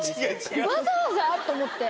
わざわざ？と思って。